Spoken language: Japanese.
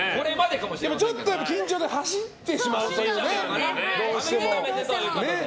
ちょっと緊張で走ってしまうというね。